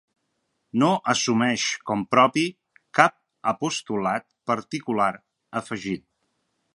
No assumeix com propi cap apostolat particular afegit.